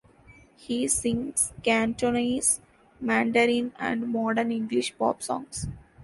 He sings Cantonese, Mandarin and modern English pop songs.